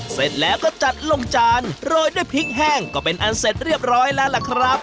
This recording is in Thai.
เสร็จแล้วก็จัดลงจานโรยด้วยพริกแห้งก็เป็นอันเสร็จเรียบร้อยแล้วล่ะครับ